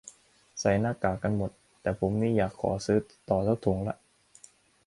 ใส่หน้ากากกันหมด แต่ผมนี่อยากขอซื้อต่อสักถุงละ